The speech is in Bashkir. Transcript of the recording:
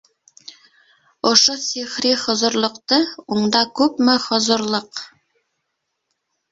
Ошо сихри хозурлыҡты Унда күпме хозурлыҡ!